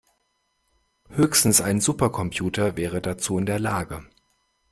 Höchstens ein Supercomputer wäre dazu in der Lage.